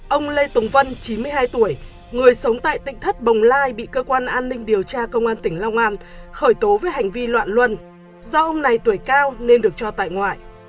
ông lê tùng vân chín mươi hai tuổi người sống tại tỉnh thất bồng lai bị cơ quan an ninh điều tra công an tỉnh long an khởi tố với hành vi loạn luân do ông này tuổi cao nên được cho tại ngoại